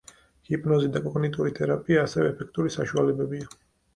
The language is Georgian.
ჰიპნოზი და კოგნიტიური თერაპია ასევე ეფექტური საშუალებებია.